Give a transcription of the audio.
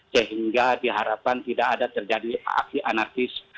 sehingga diharapkan tidak ada terjadi aksi anarkis